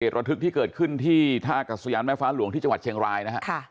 ระทึกที่เกิดขึ้นที่ท่ากัศยานแม่ฟ้าหลวงที่จังหวัดเชียงรายนะฮะ